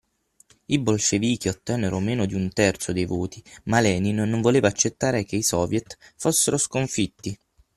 I bolscevichi ottennero meno di un terzo dei voti ma Lenin non voleva accettare che i Soviet fossero sconfitti.